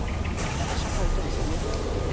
社会とのせめぎ合いというのはね